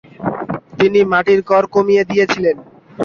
তিনি মাটির কড় কমিয়ে দিয়েছিলেন।